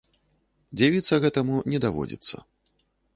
Дзівіцца гэтаму не даводзіцца.